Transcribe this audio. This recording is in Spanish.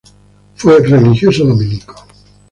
Fue religioso dominico.